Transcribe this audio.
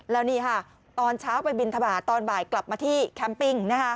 แล้วนี่ค่ะตอนเช้าไปบินทบาทตอนบ่ายกลับมาที่แคมปิ้ง